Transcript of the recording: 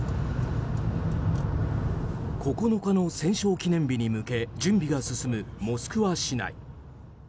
９日の戦勝記念日に向け準備が進むモスクワ市内。